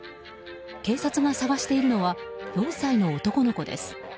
警察が捜しているのは４歳の男の子です。